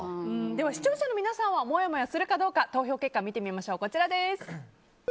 視聴者の皆さんはもやもやするかどうか投票結果を見てみましょう。